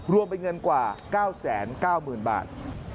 รวมเป็นเงินกว่า๙๙๐๐๐บาท